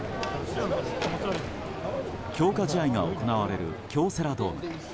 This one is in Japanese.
強化試合が行われる京セラドーム。